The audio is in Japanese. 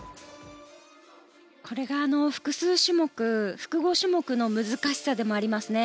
これが複合種目の難しさでもありますね。